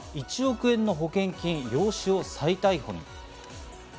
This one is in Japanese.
続いては、１億円の保険金、養子を再逮捕。